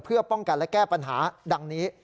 เพื่อป้องกันและแก้ปัญหาดังนี้